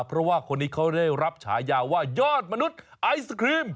เพราะว่าคนนี้เขาได้รับฉายาว่ายอดมนุษย์ไอศครีม